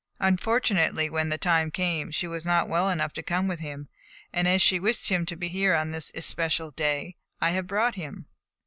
Unfortunately, when the time came, she was not well enough to come with him; and as she wished him to be here on this especial day, I have brought him."